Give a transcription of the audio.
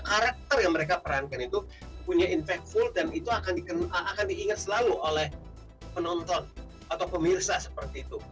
karakter yang mereka perankan itu punya impact full dan itu akan diingat selalu oleh penonton atau pemirsa seperti itu